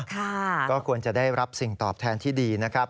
ก็ควรจะได้รับสิ่งตอบแทนที่ดีนะครับ